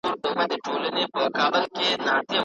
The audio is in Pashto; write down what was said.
د پلار په سیوري کي ژوند کول د عمر تر ټولو غنیمت وخت دی.